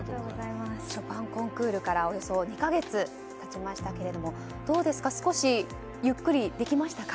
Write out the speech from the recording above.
ショパンコンクールからおよそ２か月経ちましたけれどもどうですか少しゆっくり出来ましたか？